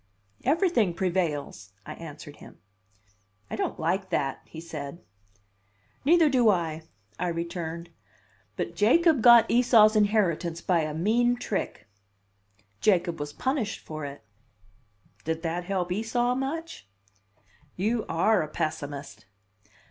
"Everything prevails," I answered him. "I don't like that," he said. "Neither do I," I returned. "But Jacob got Esau's inheritance by a mean trick." "Jacob was punished for it." "Did that help Esau much?" "You are a pessimist!"